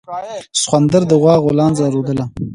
سخوندر د غوا غولانځه رودله.